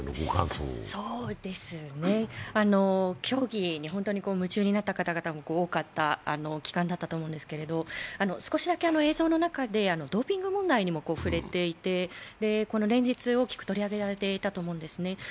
競技に夢中になった方々も多かった期間だと思うんですが少しだけ映像の中でドーピング問題にも触れていて、連日、大きく取り上げられていたと思うんですね。